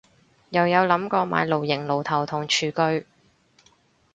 又有諗過買露營爐頭同廚具